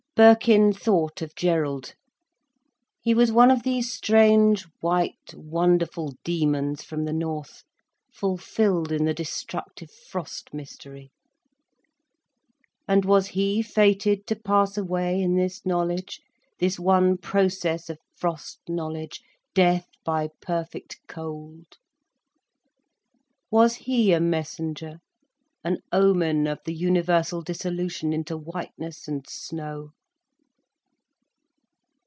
Birkin thought of Gerald. He was one of these strange white wonderful demons from the north, fulfilled in the destructive frost mystery. And was he fated to pass away in this knowledge, this one process of frost knowledge, death by perfect cold? Was he a messenger, an omen of the universal dissolution into whiteness and snow?